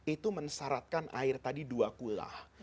itu mensyaratkan air tadi dua kulah